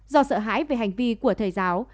do sợ hãi về hành vi của thầy giáo